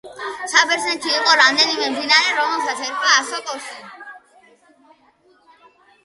საბერძნეთში იყო რამდენიმე მდინარე, რომელსაც ერქვა ასოპოსი.